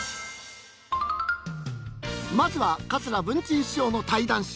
まずは桂文珍師匠の対談集。